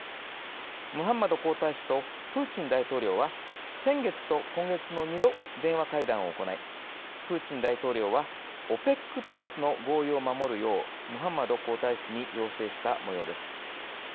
ムハンマド皇太子とプーチン大統領は先月と今月の２度電話会談を行いプーチン大統領は「ＯＰＥＣプラス」の合意を守るようムハンマド皇太子に要請したもようです。